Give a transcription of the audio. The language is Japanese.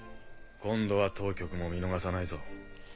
今度は当局も見逃さないぞ。